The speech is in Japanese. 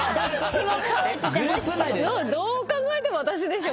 どう考えても私でしょ！